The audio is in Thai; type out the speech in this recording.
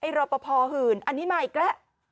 รอปภหื่นอันนี้มาอีกแล้ว